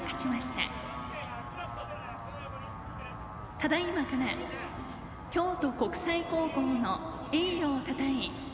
ただいまから京都国際の栄誉をたたえ